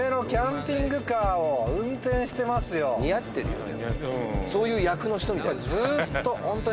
夢の似合ってるよね